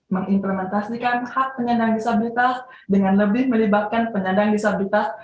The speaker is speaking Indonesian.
mengimplementasikan hak penyandang disabilitas dengan lebih melibatkan penyandang disabilitas